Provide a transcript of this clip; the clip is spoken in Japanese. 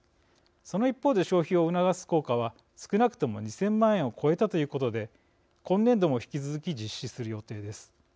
その一方で消費を促す効果は少なくとも２，０００万円を超えたということで今年度も引き続き実施する予定です。